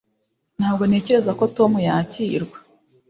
Ntabwo ntekereza ko Tom yakirwa